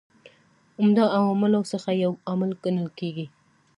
عمده عواملو څخه یو عامل کڼل کیږي.